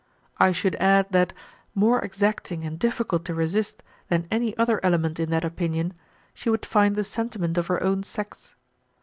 I should add that, more exacting and difficult to resist than any other element in that opinion, she would find the sentiment of her own sex.